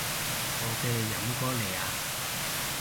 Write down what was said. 我嘅飲歌嚟啊